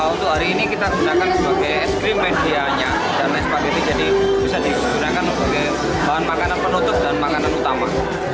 untuk hari ini kita gunakan sebagai es krim medianya dan lain sebagainya jadi bisa digunakan sebagai bahan makanan penutup dan makanan utama